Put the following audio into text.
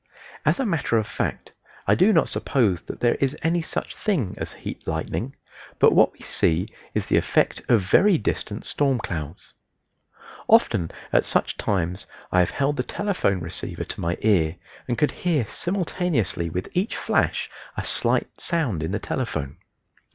As a matter of fact, I do not suppose there is any such thing as heat lightning, but what we see is the effect of very distant storm clouds. Often at such times I have held the telephone receiver to my ear and could hear simultaneously with each flash a slight sound in the telephone.